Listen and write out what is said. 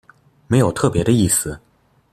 沒有特別的意思